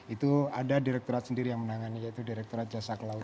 itu ada direkturat sendiri yang menangani yaitu direkturat jasa kelautan